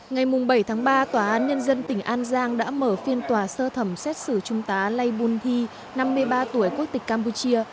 ngày bảy tháng ba tòa án nhân dân tỉnh an giang đã mở phiên tòa sơ thẩm xét xử trung tá lay bun thi năm mươi ba tuổi quốc tịch campuchia